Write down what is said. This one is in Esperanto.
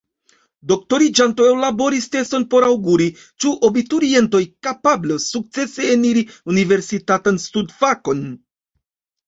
Doktoriĝanto ellaboris teston por aŭguri, ĉu abiturientoj kapablos sukcese eniri universitatan studfakon.